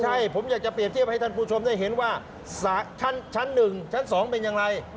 ใช่ผมอยากจะเปรียบเทียบให้ท่านผู้ชมได้เห็นว่าชั้น๑ชั้น๒เป็นอย่างไร